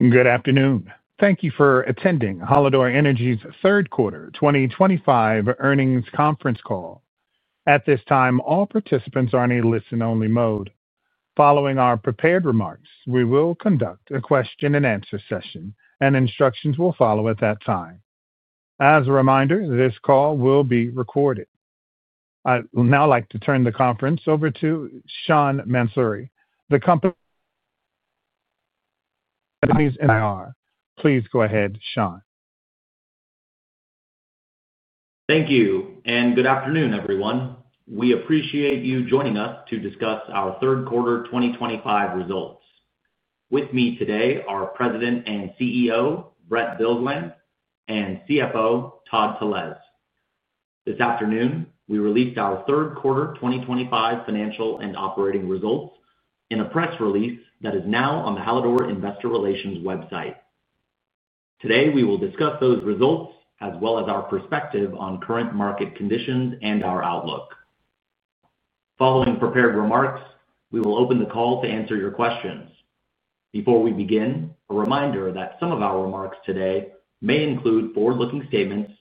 Good afternoon. Thank you for attending Hallador Energy's Q3 2025 earnings conference call. At this time, all participants are in a listen-only mode. Following our prepared remarks, we will conduct a question-and-answer session, and instructions will follow at that time. As a reminder, this call will be recorded. I would now like to turn the conference over to Sean Mansouri, the company's CIO. Please go ahead, Sean. Thank you and good afternoon, everyone. We appreciate you joining us to discuss our Q3 2025 results. With me today are President and CEO Brent Bilsland and CFO Todd Telesz. This afternoon, we released our Q3 2025 financial and operating results in a press release that is now on the Hallador Investor Relations website. Today, we will discuss those results as well as our perspective on current market conditions and our outlook. Following prepared remarks, we will open the call to answer your questions. Before we begin, a reminder that some of our remarks today may include forward-looking statements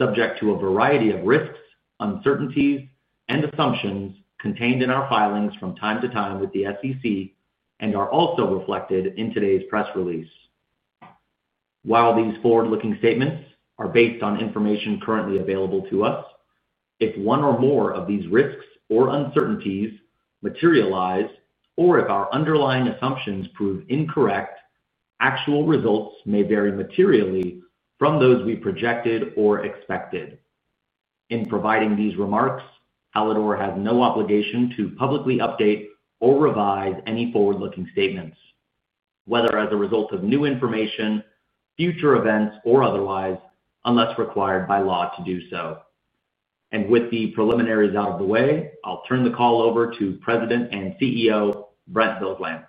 subject to a variety of risks, uncertainties, and assumptions contained in our filings from time to time with the SEC and are also reflected in today's press release. While these forward-looking statements are based on information currently available to us, if one or more of these risks or uncertainties materialize, or if our underlying assumptions prove incorrect, actual results may vary materially from those we projected or expected. In providing these remarks, Hallador has no obligation to publicly update or revise any forward-looking statements, whether as a result of new information, future events, or otherwise, unless required by law to do so. With the preliminaries out of the way, I'll turn the call over to President and CEO Brent Bilsland.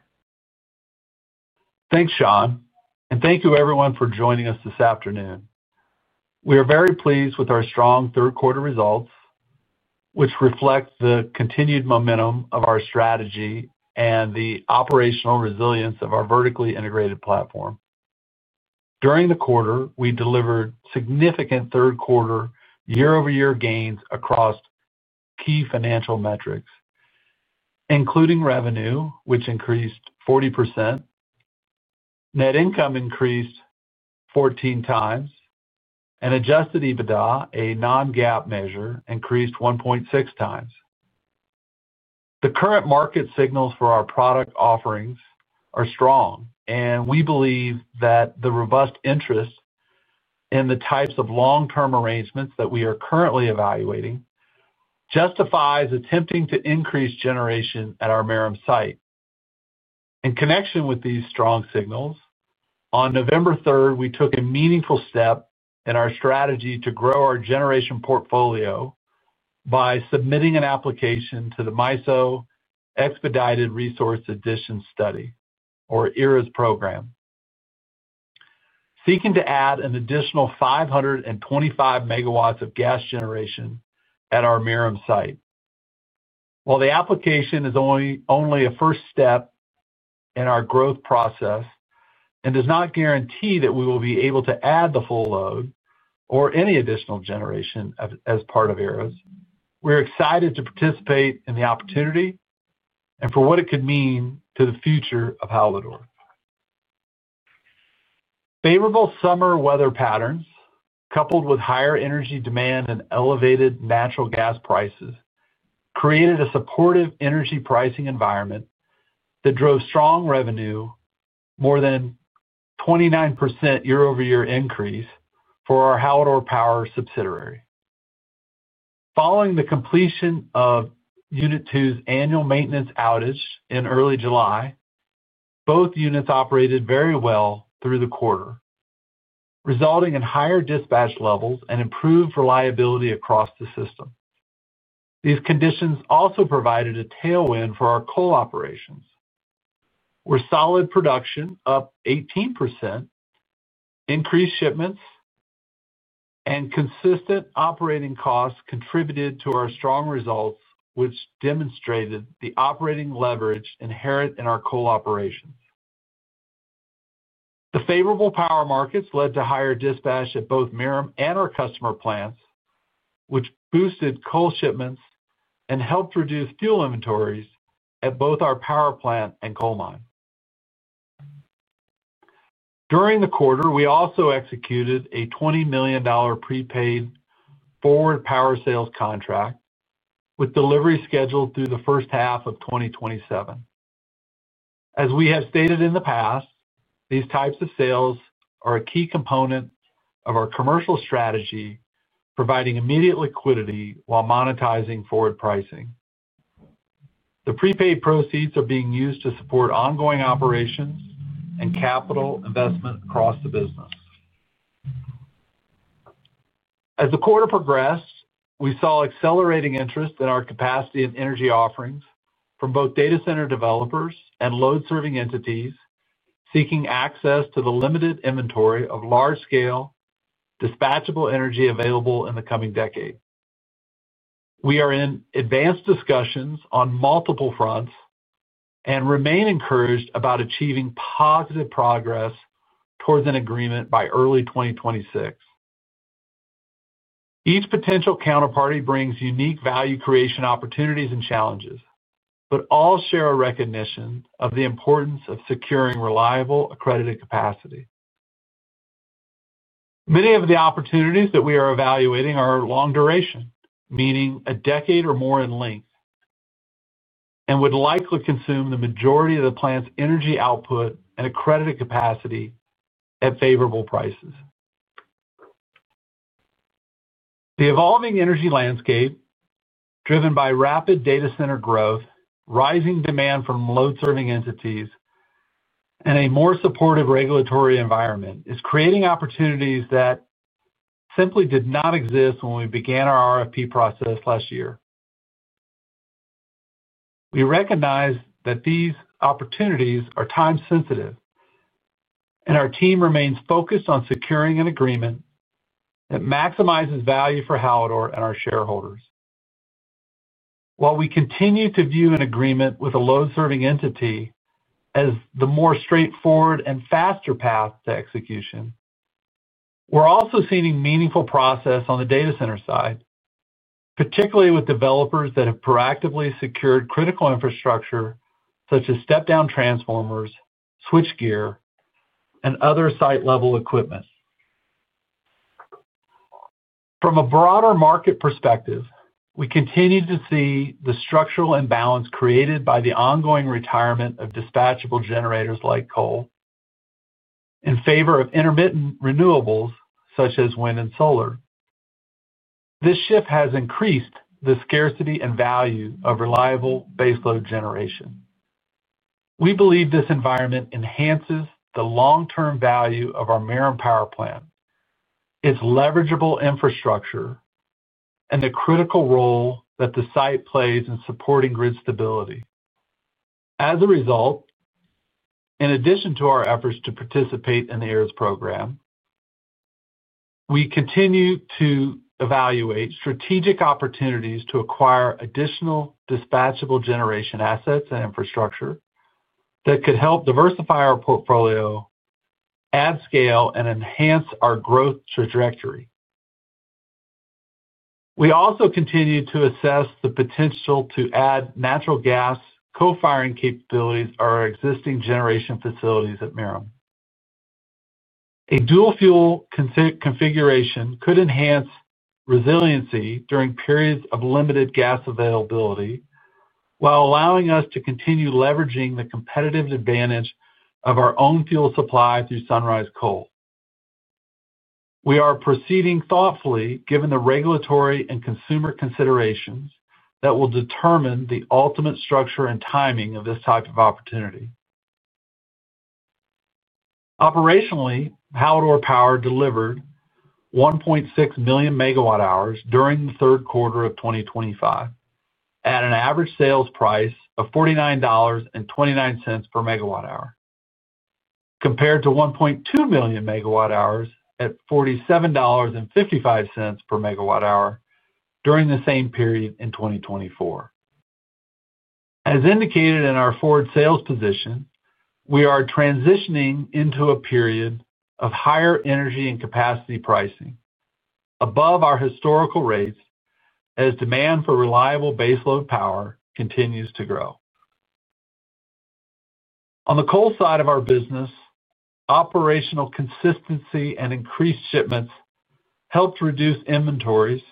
Thanks, Sean, and thank you, everyone, for joining us this afternoon. We are very pleased with our strong Q3 results, which reflect the continued momentum of our strategy and the operational resilience of our vertically integrated platform. During the quarter, we delivered significant Q3 year-over-year gains across key financial metrics, including revenue, which increased 40%, net income increased 14x, and Adjusted EBITDA, a non-GAAP measure, increased 1.6x. The current market signals for our product offerings are strong, and we believe that the robust interest in the types of long-term arrangements that we are currently evaluating justifies attempting to increase generation at our Merom site. In connection with these strong signals, on November 3rd, we took a meaningful step in our strategy to grow our generation portfolio by submitting an application to the MISO Expedited Resource Interconnection Service, or ERIS program, seeking to add an additional 525 MW of gas generation at our Merom site. While the application is only a first step in our growth process and does not guarantee that we will be able to add the full load or any additional generation as part of ERIS, we're excited to participate in the opportunity and for what it could mean to the future of Hallador. Favorable summer weather patterns, coupled with higher energy demand and elevated natural gas prices, created a supportive energy pricing environment that drove strong revenue, more than a 29% year-over-year increase for our Hallador Power subsidiary. Following the completion of Unit 2's annual maintenance outage in early July, both units operated very well through the quarter, resulting in higher dispatch levels and improved reliability across the system. These conditions also provided a tailwind for our coal operations, where solid production up 18%, increased shipments, and consistent operating costs contributed to our strong results, which demonstrated the operating leverage inherent in our coal operations. The favorable power markets led to higher dispatch at both Merom and our customer plants, which boosted coal shipments and helped reduce fuel inventories at both our power plant and coal mine. During the quarter, we also executed a $20 million prepaid forward power sales contract, with delivery scheduled through the first half of 2027. As we have stated in the past, these types of sales are a key component of our commercial strategy, providing immediate liquidity while monetizing forward pricing. The pre-paid proceeds are being used to support ongoing operations and capital investment across the business. As the quarter progressed, we saw accelerating interest in our capacity and energy offerings from both data center developers and load-serving entities seeking access to the limited inventory of large-scale dispatchable energy available in the coming decade. We are in advanced discussions on multiple fronts and remain encouraged about achieving positive progress towards an agreement by early 2026. Each potential counterparty brings unique value creation opportunities and challenges, but all share a recognition of the importance of securing reliable, accredited capacity. Many of the opportunities that we are evaluating are long duration, meaning a decade or more in length, and would likely consume the majority of the plant's energy output and accredited capacity at favorable prices. The evolving energy landscape, driven by rapid data center growth, rising demand from load-serving entities, and a more supportive regulatory environment, is creating opportunities that simply did not exist when we began our RFP process last year. We recognize that these opportunities are time-sensitive, and our team remains focused on securing an agreement that maximizes value for Hallador and our shareholders. While we continue to view an agreement with a load-serving entity as the more straight-forward and faster path to execution, we're also seeing a meaningful process on the data center side, particularly with developers that have proactively secured critical infrastructure such as step-down transformers, switchgear, and other site-level equipment. From a broader market perspective, we continue to see the structural imbalance created by the ongoing retirement of dispatchable generators like coal in favor of intermittent renewables such as wind and solar. This shift has increased the scarcity and value of reliable baseload generation. We believe this environment enhances the long-term value of our Merom Power Plant, its leverageable infrastructure, and the critical role that the site plays in supporting grid stability. As a result, in addition to our efforts to participate in the ERIS program, we continue to evaluate strategic opportunities to acquire additional dispatchable generation assets and infrastructure that could help diversify our portfolio, add scale, and enhance our growth trajectory. We also continue to assess the potential to add natural gas co-firing capabilities to our existing generation facilities at Merom. A dual-fuel configuration could enhance resiliency during periods of limited gas availability while allowing us to continue leveraging the competitive advantage of our own fuel supply through Sunrise Coal. We are proceeding thoughtfully given the regulatory and consumer considerations that will determine the ultimate structure and timing of this type of opportunity. Operationally, Hallador Power delivered 1.6 million MWhs during the Q3 of 2025 at an average sales price of $49.29 per MWh, compared to 1.2 million MWh at $47.55 per MWh during the same period in 2024. As indicated in our forward sales position, we are transitioning into a period of higher energy and capacity pricing above our historical rates as demand for reliable baseload power continues to grow. On the coal side of our business, operational consistency and increased shipments helped reduce inventories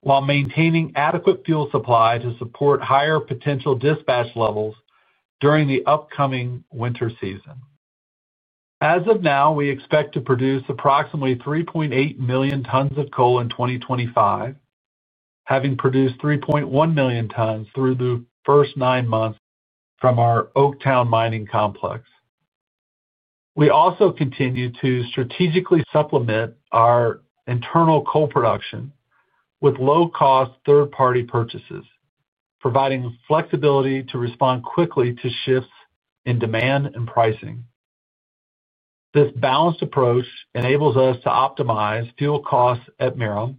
while maintaining adequate fuel supply to support higher potential dispatch levels during the upcoming winter season. As of now, we expect to produce approximately 3.8 million tons of coal in 2025, having produced 3.1 million tons through the first nine months from our Oaktown mining complex. We also continue to strategically supplement our internal coal production with low-cost third-party purchases, providing flexibility to respond quickly to shifts in demand and pricing. This balanced approach enables us to optimize fuel costs at Merom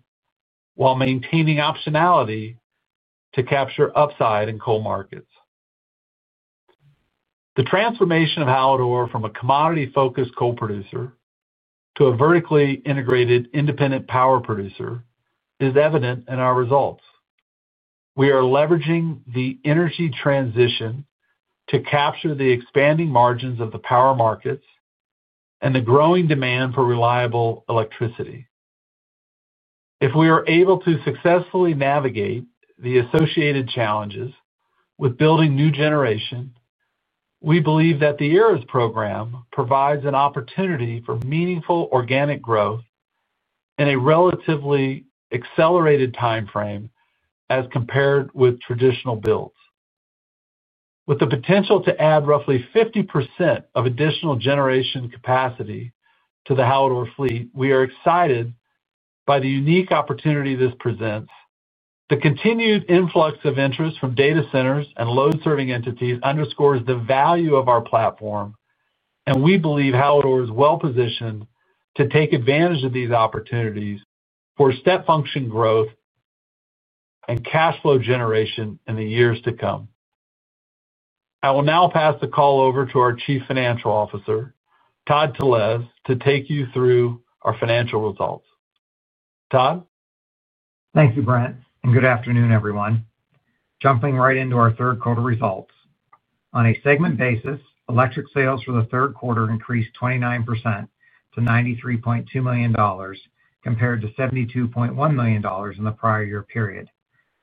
while maintaining optionality to capture upside in coal markets. The transformation of Hallador from a commodity-focused coal producer to a vertically integrated independent power producer is evident in our results. We are leveraging the energy transition to capture the expanding margins of the power markets and the growing demand for reliable electricity. If we are able to successfully navigate the associated challenges with building new generation, we believe that the ERIS program provides an opportunity for meaningful organic growth in a relatively accelerated timeframe as compared with traditional builds. With the potential to add roughly 50% of additional generation capacity to the Hallador fleet, we are excited by the unique opportunity this presents. The continued influx of interest from data centers and load-serving entities underscores the value of our platform, and we believe Hallador is well-positioned to take advantage of these opportunities for step-function growth and cash flow generation in the years to come. I will now pass the call over to our Chief Financial Officer, Todd Telesz, to take you through our financial results. Todd? Thank you, Brent, and good afternoon, everyone. Jumping right into our Q3 results, on a segment basis, electric sales for the Q3 increased 29% to $93.2 million, compared to $72.1 million in the prior-year-period,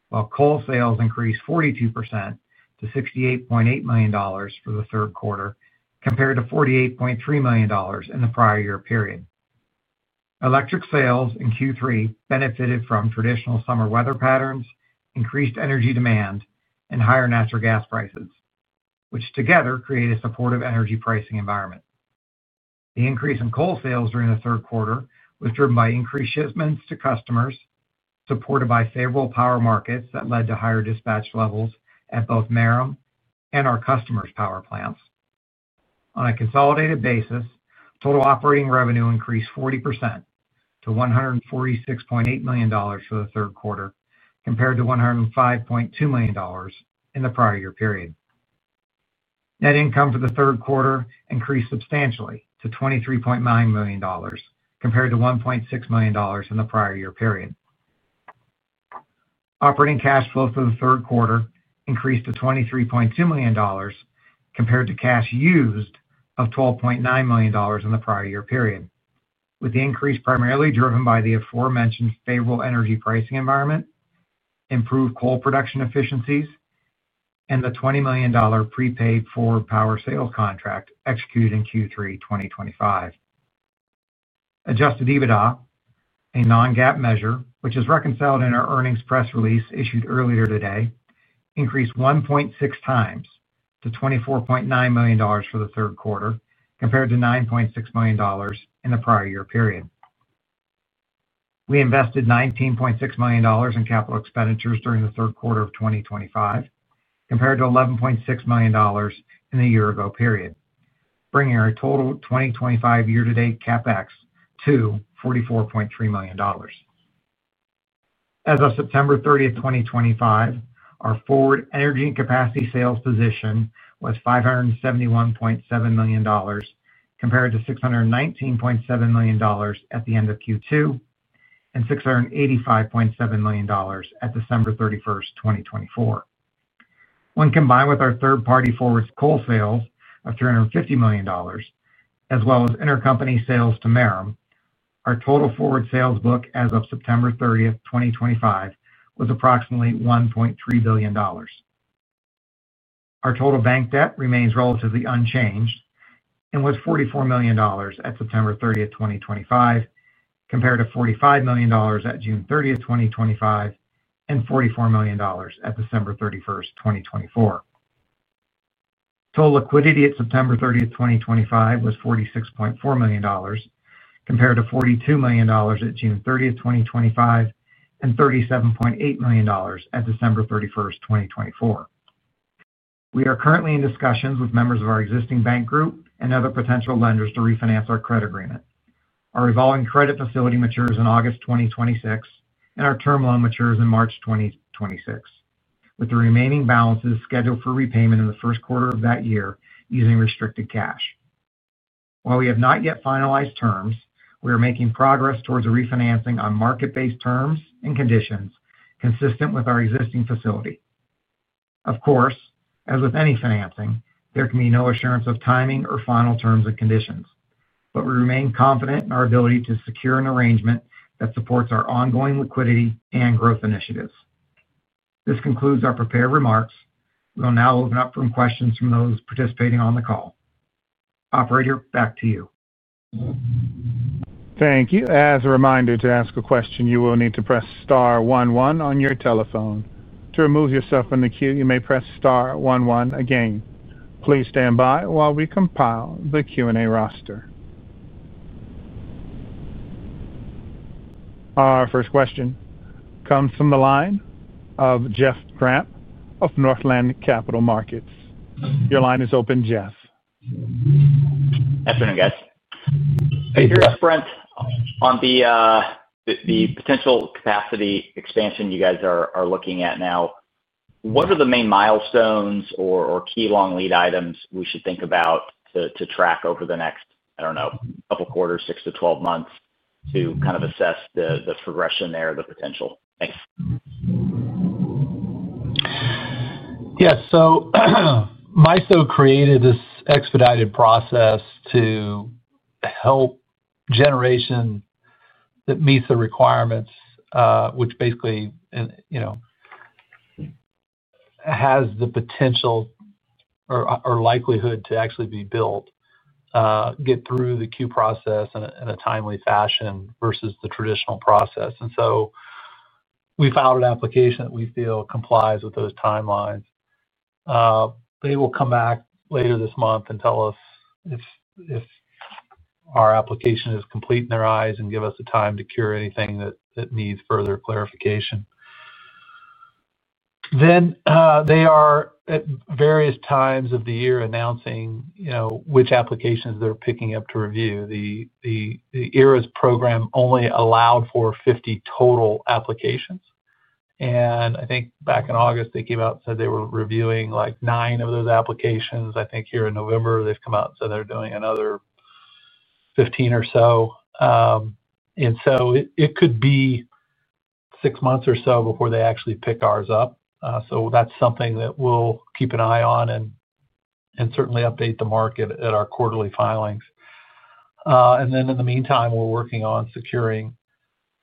while coal sales increased 42% to $68.8 million for the Q3, compared to $48.3 million in the prior-year-period. Electric sales in Q3 benefited from traditional summer weather patterns, increased energy demand, and higher natural gas prices, which together create a supportive energy pricing environment. The increase in coal sales during the Q3 was driven by increased shipments to customers supported by favorable power markets that led to higher dispatch levels at both Merom and our customers' power plants. On a consolidated basis, total operating revenue increased 40% to $146.8 million for the Q3, compared to $105.2 million in the prior-year-period. Net income for the Q3 increased substantially to $23.9 million, compared to $1.6 million in the prior-year-period. Operating cash flow for the Q3 increased to $23.2 million, compared to cash used of $12.9 million in the prior-year-period, with the increase primarily driven by the aforementioned favorable energy pricing environment, improved coal production efficiencies, and the $20 million pre-paid forward power sales contract executed in Q3 2025. Adjusted EBITDA, a non-GAAP measure, which is reconciled in our earnings press release issued earlier today, increased 1.6x to $24.9 million for the Q3, compared to $9.6 million in the prior-year-period. We invested $19.6 million in capital expenditures during the Q3 of 2025, compared to $11.6 million in the year ago period, bringing our total 2025 year-to-date CapEx to $44.3 million. As of September 30, 2025, our forward energy and capacity sales position was $571.7 million, compared to $619.7 million at the end of Q2 and $685.7 million at December 31, 2024. When combined with our third-party forward coal sales of $350 million, as well as intercompany sales to Merom, our total forward sales book as of September 30, 2025, was approximately $1.3 billion. Our total bank debt remains relatively unchanged and was $44 million at September 30, 2025, compared to $45 million at June 30, 2025, and $44 million at December 31, 2024. Total liquidity at September 30, 2025, was $46.4 million, compared to $42 million at June 30, 2025, and $37.8 million at December 31, 2024. We are currently in discussions with members of our existing bank group and other potential lenders to refinance our credit agreement. Our evolving credit facility matures in August 2026, and our term loan matures in March 2026, with the remaining balances scheduled for repayment in the Q1 of that year using restricted cash. While we have not yet finalized terms, we are making progress towards refinancing on market-based terms and conditions consistent with our existing facility. Of course, as with any financing, there can be no assurance of timing or final terms and conditions, but we remain confident in our ability to secure an arrangement that supports our ongoing liquidity and growth initiatives. This concludes our prepared remarks. We will now open up for questions from those participating on the call. Operator, back to you. Thank you. As a reminder to ask a question, you will need to press star one one on your telephone. To remove yourself from the queue, you may press star one one again. Please stand by while we compile the Q&A roster. Our first question comes from the line of Jeff Grampp of Northland Capital Markets. Your line is open, Jeff. Afternoon, guys. Hey, Jeff. Hey, Brent. On the potential capacity expansion you guys are looking at now, what are the main milestones or key long lead items we should think about to track over the next, I don't know, couple quarters, six to 12 months, to kind of assess the progression there, the potential? Thanks. Yeah. MISO created this expedited process to help generation that meets the requirements, which basically has the potential or likelihood to actually be built, get through the queue process in a timely fashion versus the traditional process. We filed an application that we feel complies with those timelines. They will come back later this month and tell us if our application is complete in their eyes and give us the time to cure anything that needs further clarification. They are, at various times of the year, announcing which applications they are picking up to review. The ERIS program only allowed for 50 total applications. I think back in August, they came out and said they were reviewing nine of those applications. I think here in November, they have come out and said they are doing another 15 or so. It could be six months or so before they actually pick ours up. That is something that we will keep an eye on and certainly update the market at our quarterly filings. In the meantime, we are working on securing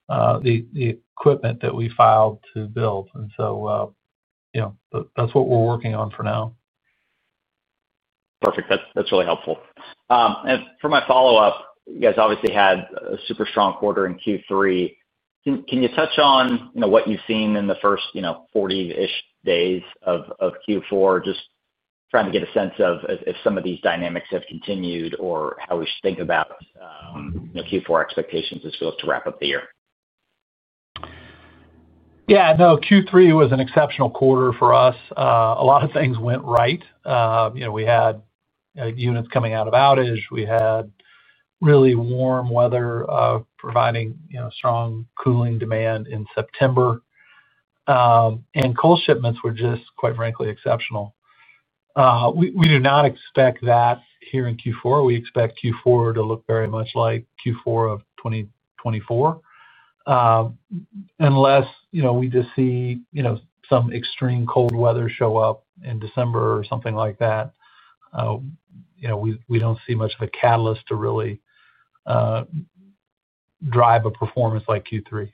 the equipment that we filed to build. That is what we are working on for now. Perfect. That's really helpful. For my follow-up, you guys obviously had a super strong quarter in Q3. Can you touch on what you've seen in the first 40-ish days of Q4, just trying to get a sense of if some of these dynamics have continued or how we should think about Q4 expectations as we look to wrap up the year? Yeah. No, Q3 was an exceptional quarter for us. A lot of things went right. We had units coming out of outage. We had really warm weather providing strong cooling demand in September. And coal shipments were just, quite frankly, exceptional. We do not expect that here in Q4. We expect Q4 to look very much like Q4 of 2024 unless we just see some extreme cold weather show up in December or something like that. We do not see much of a catalyst to really drive a performance like Q3.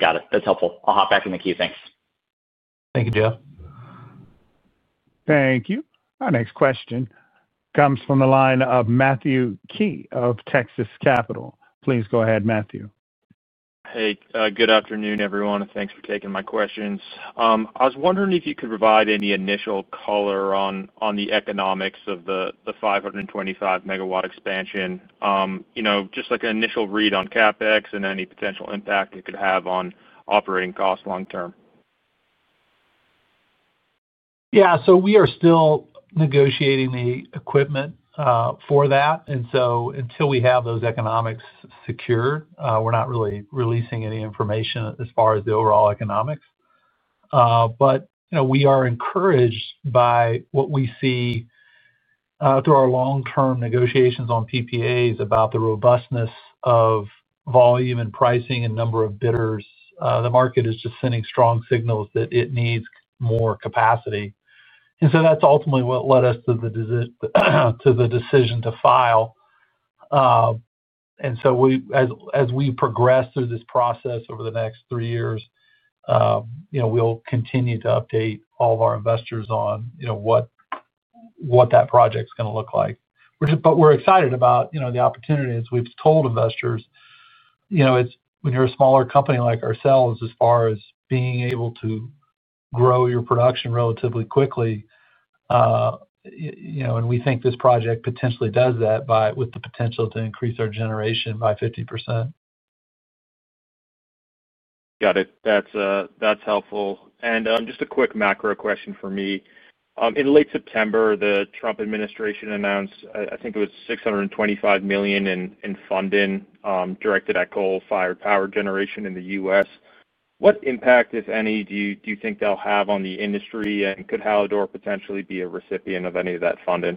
Got it. That's helpful. I'll hop back in the queue. Thanks. Thank you, Jeff. Thank you. Our next question comes from the line of Matthew Key of Texas Capital. Please go ahead, Matthew. Hey, good afternoon, everyone. Thanks for taking my questions. I was wondering if you could provide any initial color on the economics of the 525 MW expansion, just like an initial read on CapEx and any potential impact it could have on operating costs long-term. Yeah. We are still negotiating the equipment for that. Until we have those economics secured, we're not really releasing any information as far as the overall economics. We are encouraged by what we see through our long-term negotiations on PPAs about the robustness of volume and pricing and number of bidders. The market is just sending strong signals that it needs more capacity. That is ultimately what led us to the decision to file. As we progress through this process over the next three years, we'll continue to update all of our investors on what that project's going to look like. We are excited about the opportunities. We've told investors, when you're a smaller company like ourselves, as far as being able to grow your production relatively quickly, and we think this project potentially does that with the potential to increase our generation by 50%. Got it. That's helpful. Just a quick macro question for me. In late September, the Trump administration announced, I think it was $625 million in funding directed at coal-fired power generation in the U.S. What impact, if any, do you think they'll have on the industry? Could Hallador potentially be a recipient of any of that funding?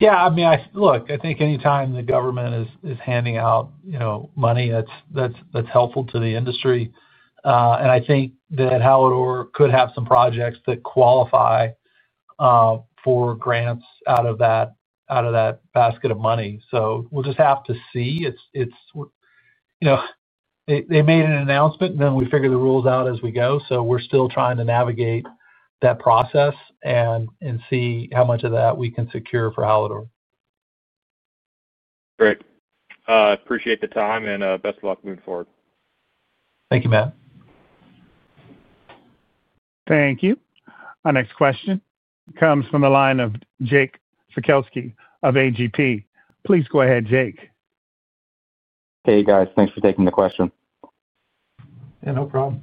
Yeah. I mean, look, I think anytime the government is handing out money, that's helpful to the industry. I think that Hallador could have some projects that qualify for grants out of that basket of money. We'll just have to see. They made an announcement, and then we figure the rules out as we go. We're still trying to navigate that process and see how much of that we can secure for Hallador. Great. Appreciate the time, and best of luck moving forward. Thank you, Matt. Thank you. Our next question comes from the line of Jake Fekelski of A.G.P. Please go ahead, Jake. Hey, guys. Thanks for taking the question. Yeah, no problem.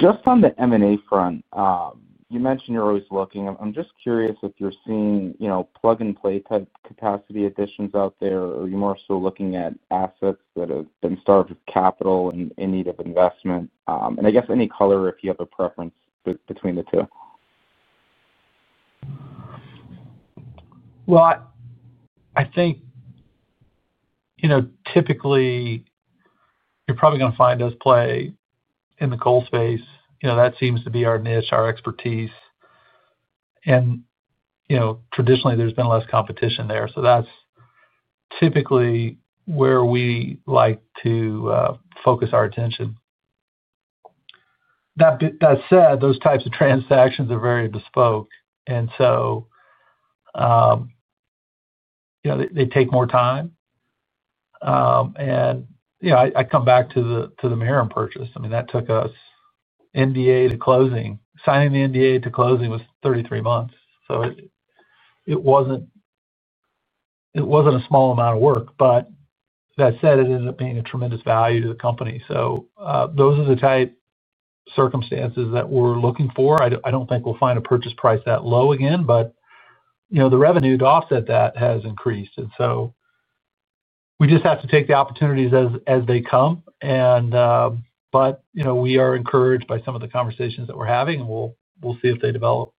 Just on the M&A front, you mentioned you're always looking. I'm just curious if you're seeing plug-and-play type capacity additions out there, or are you more so looking at assets that have been starved of capital and in need of investment? I guess any color if you have a preference between the two. I think typically you're probably going to find us play in the coal space. That seems to be our niche, our expertise. Traditionally, there's been less competition there. That is typically where we like to focus our attention. That said, those types of transactions are very bespoke, and they take more time. I come back to the Merom purchase. I mean, that took us NDA to closing. Signing the NDA to closing was 33 months. It was not a small amount of work. That said, it ended up being a tremendous value to the company. Those are the type of circumstances that we're looking for. I do not think we'll find a purchase price that low again, but the revenue to offset that has increased. We just have to take the opportunities as they come. We are encouraged by some of the conversations that we're having, and we'll see if they develop.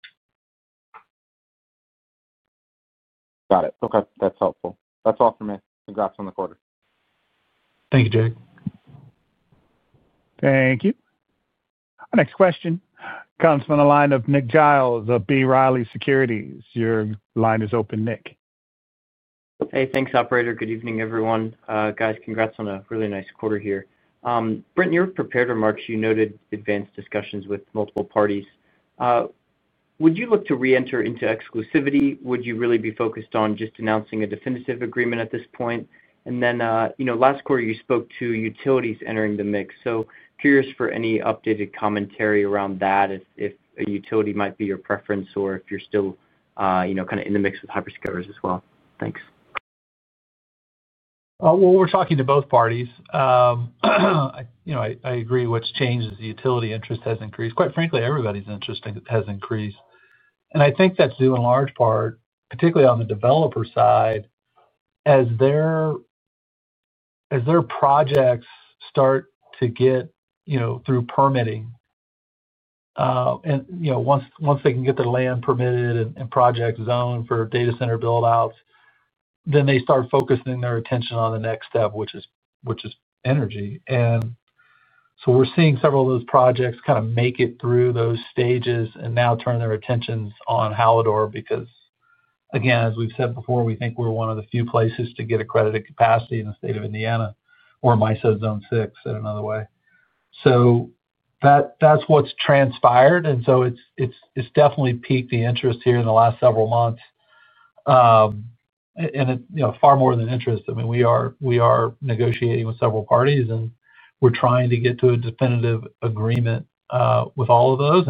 Got it. Okay. That's helpful. That's all for me. Congrats on the quarter. Thank you, Jake. Thank you. Our next question comes from the line of Nick Giles of B. Riley Securities. Your line is open, Nick. Hey, thanks, Operator. Good evening, everyone. Guys, congrats on a really nice quarter here. Brent, in your prepared remarks, you noted advanced discussions with multiple parties. Would you look to re-enter into exclusivity? Would you really be focused on just announcing a definitive agreement at this point? Last quarter, you spoke to utilities entering the mix. Curious for any updated commentary around that, if a utility might be your preference or if you're still kind of in the mix with Hyperscalers as well. Thanks. We're talking to both parties. I agree what's changed is the utility interest has increased. Quite frankly, everybody's interest has increased. I think that's due in large part, particularly on the developer side, as their projects start to get through permitting. Once they can get the land permitted and projects zoned for data center buildouts, they start focusing their attention on the next step, which is energy. We're seeing several of those projects kind of make it through those stages and now turn their attentions on Hallador because, again, as we've said before, we think we're one of the few places to get accredited capacity in the state of Indiana or MISO Zone 6, said another way. That's what's transpired. It's definitely piqued the interest here in the last several months. Far more than interest, I mean, we are negotiating with several parties, and we're trying to get to a definitive agreement with all of those.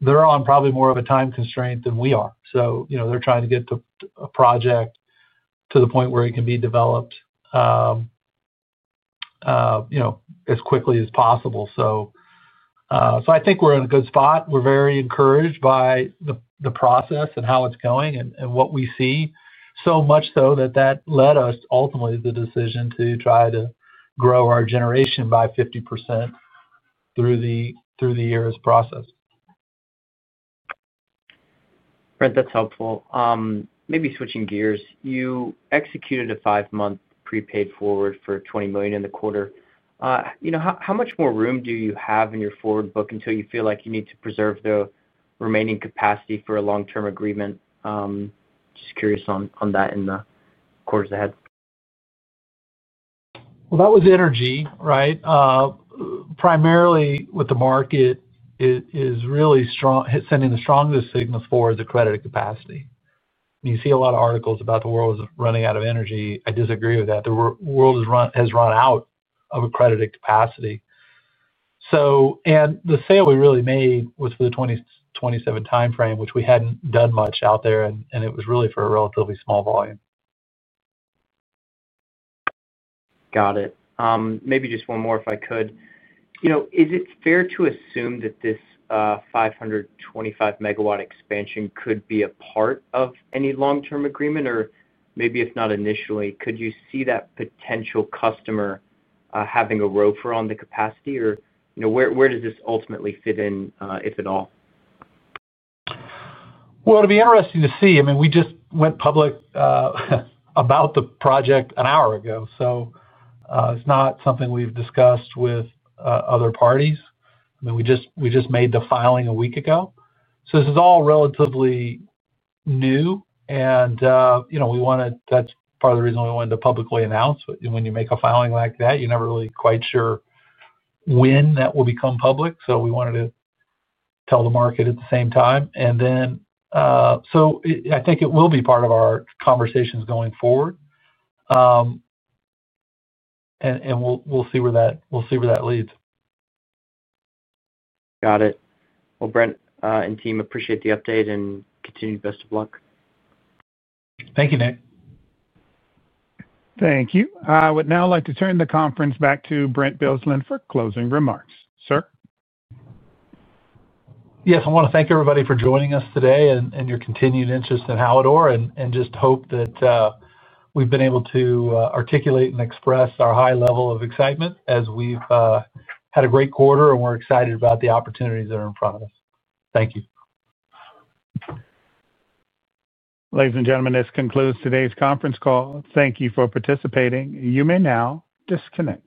They're on probably more of a time constraint than we are. They're trying to get a project to the point where it can be developed as quickly as possible. I think we're in a good spot. We're very encouraged by the process and how it's going and what we see. So much so that that led us ultimately to the decision to try to grow our generation by 50% through the ERIS process. Brent, that's helpful. Maybe switching gears, you executed a five-month prepaid forward for $20 million in the quarter. How much more room do you have in your forward book until you feel like you need to preserve the remaining capacity for a long-term agreement? Just curious on that in the quarters ahead. That was energy, right? Primarily. With the market, it is really sending the strongest signals forward to accredited capacity. You see a lot of articles about the world running out of energy. I disagree with that. The world has run out of accredited capacity. The sale we really made was for the 2027 timeframe, which we had not done much out there, and it was really for a relatively small volume. Got it. Maybe just one more if I could. Is it fair to assume that this 525 MW expansion could be a part of any long-term agreement? Or maybe if not initially, could you see that potential customer having a rofer on the capacity? Or where does this ultimately fit in, if at all? It will be interesting to see. I mean, we just went public about the project an hour ago. It is not something we have discussed with other parties. I mean, we just made the filing a week ago. This is all relatively new. We wanted—that is part of the reason we wanted to publicly announce—but when you make a filing like that, you are never really quite sure when that will become public. We wanted to tell the market at the same time. I think it will be part of our conversations going forward. We will see where that leads. Got it. Brent and team, appreciate the update and continue to best of luck. Thank you, Nick. Thank you. I would now like to turn the conference back to Brent Bilsland for closing remarks. Sir. Yes. I want to thank everybody for joining us today and your continued interest in Hallador and just hope that we've been able to articulate and express our high level of excitement as we've had a great quarter, and we're excited about the opportunities that are in front of us. Thank you. Ladies and gentlemen, this concludes today's conference call. Thank you for participating. You may now disconnect.